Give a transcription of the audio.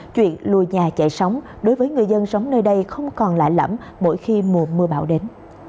chuyện lùi nhà chạy sống đối với người dân sống nơi đây không còn lạ lẫm mỗi khi mùa mưa bão đến